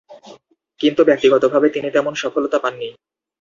কিন্তু ব্যক্তিগতভাবে তিনি তেমন সফলতা পাননি।